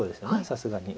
さすがに。